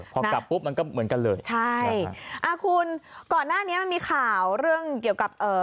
พอกลับปุ๊บมันก็เหมือนกันเลยใช่อ่าคุณก่อนหน้านี้มันมีข่าวเรื่องเกี่ยวกับเอ่อ